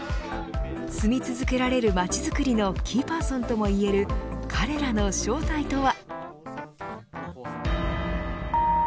住み続けられる街づくりのキーパーソンともいえる彼らの正体とは。